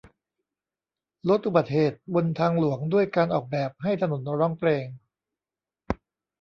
ลดอุบัติเหตุบนทางหลวงด้วยการออกแบบให้ถนนร้องเพลง